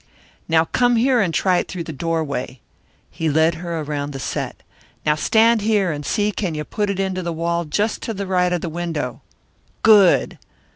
"Now come here and try it through the doorway." He led her around the set. "Now stand here and see can you put it into the wall just to the right of the window. Good!